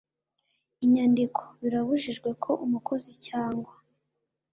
inyandiko birabujijwe ko umukozi cyangwa